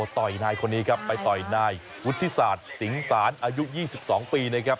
ต่อยนายคนนี้ครับไปต่อยนายวุฒิษัทสิงสานอายุยี่สิบสองปีนะครับ